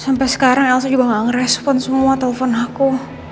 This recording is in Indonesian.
sampai sekarang elsa juga gak ngerespon semua telepon aku